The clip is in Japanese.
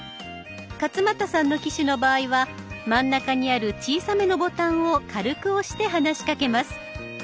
勝俣さんの機種の場合は真ん中にある小さめのボタンを軽く押して話しかけます。